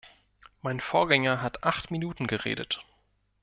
Mein Vorgänger hat acht Minuten geredet.